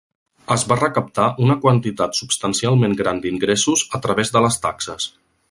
Es va recaptar una quantitat substancialment gran d'ingressos a través de les taxes.